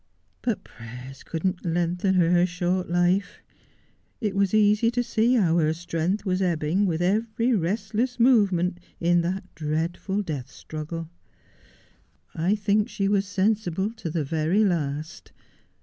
But prayers could not lengthen her short life. It was easy to see how her strength was ebbing with every restless movement in that dreadful death struggle. I think she was sensible to the very last.